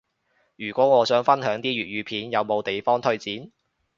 如果我想分享啲粵語片，有冇地方推薦？